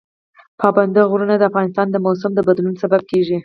پابندی غرونه د افغانستان د موسم د بدلون سبب کېږي.